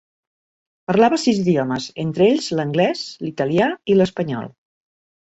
Parlava sis idiomes, entre ells l'anglès, l'italià i l'espanyol.